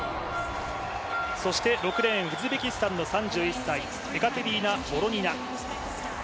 ６レーン、ウズベキスタンの３１歳、エカテリーナ・ボロニナ。